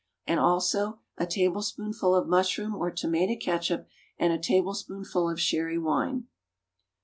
Add also a tablespoonful of mushroom or tomato catsup and a tablespoonful of sherry wine.